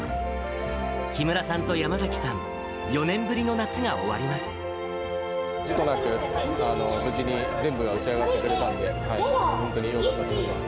木村さんと山崎さん、４年ぶ事故なく、無事に全部が打ち上がってくれたんで、本当によかったと思います。